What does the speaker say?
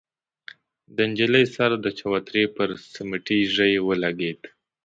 د نجلۍ سر د چوترې پر سميټي ژۍ ولګېد.